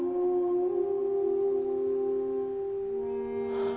はあ。